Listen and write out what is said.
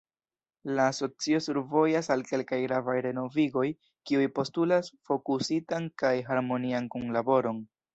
“La Asocio survojas al kelkaj gravaj renovigoj, kiuj postulas fokusitan kaj harmonian kunlaboron.